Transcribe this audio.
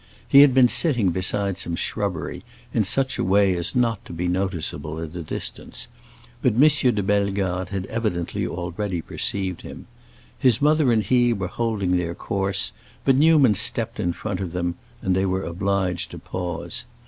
He had been sitting beside some shrubbery, in such a way as not to be noticeable at a distance; but M. de Bellegarde had evidently already perceived him. His mother and he were holding their course, but Newman stepped in front of them, and they were obliged to pause.